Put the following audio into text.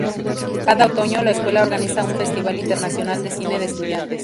Cada otoño, la escuela organiza un festival internacional de cine de estudiantes.